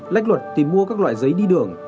lách luật tìm mua các loại giấy đi đường